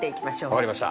分かりました。